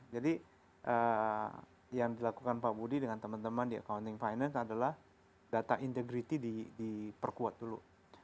jadi yang dilakukan pak budi dengan teman teman di accounting finance adalah data integrity diperkuat dulu